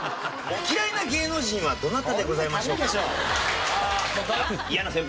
嫌いな芸能人はどなたでございましょうか？